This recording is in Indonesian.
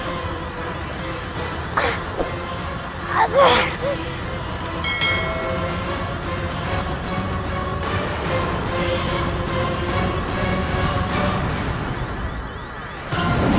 ternyata dia masih memiliki kekuatan tersembunyi